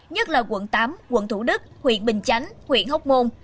nhất là quận tám quận thủ đức huyện bình chánh huyện hóc môn